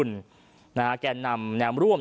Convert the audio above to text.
ทางรองศาสตร์อาจารย์ดรอคเตอร์อัตภสิตทานแก้วผู้ชายคนนี้นะครับ